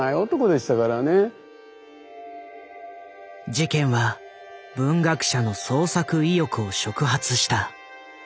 事件は文学者の創作意欲を触発した。